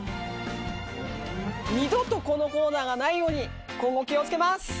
二度とこのコーナーがないように今後気をつけます。